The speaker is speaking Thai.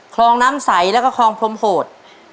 คลองน้ำใสแล้วก็คลองพรมโหด